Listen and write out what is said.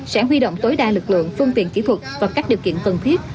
sẽ huy động tối đa lực lượng phương tiện kỹ thuật và các điều kiện cần thiết